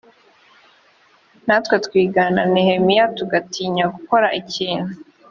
natwe twigana nehemiya tugatinya gukora ikintu